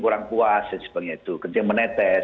kurang kuas dan sebagainya itu kencing menetes